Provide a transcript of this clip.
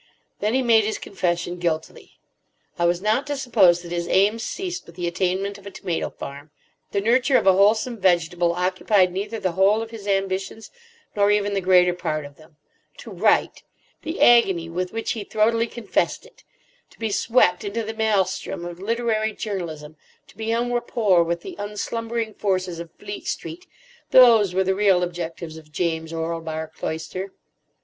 Then he made his confession guiltily. I was not to suppose that his aims ceased with the attainment of a tomato farm. The nurture of a wholesome vegetable occupied neither the whole of his ambitions nor even the greater part of them. To write—the agony with which he throatily confessed it!—to be swept into the maelstrom of literary journalism, to be en rapport with the unslumbering forces of Fleet Street—those were the real objectives of James Orlebar Cloyster.